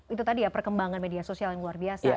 itu tadi ya perkembangan media sosial yang luar biasa